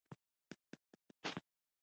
موټر وان او یو بل ملګری یې په خپل منځ کې.